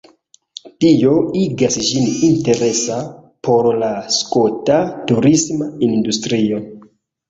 Tio igas ĝin interesa por la skota turisma industrio.